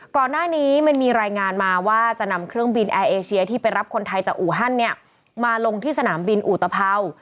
ก่อนหน้านี้มันมีรายงานมาว่าจะนำเครื่องบินแอร์เอเชียที่ไปรับคนไทยจากอูฮันเนี่ยมาลงที่สนามบินอุตภัวร์